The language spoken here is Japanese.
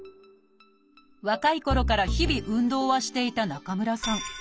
若いころから日々運動はしていた中村さん。